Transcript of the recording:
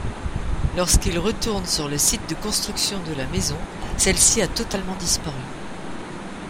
Lorsqu'ils retournent sur le site de construction de la maison, celle-ci a totalement disparu.